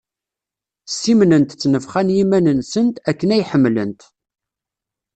Ssimnent ttnefxa n yiman-nsent, akken ay ḥemmlent.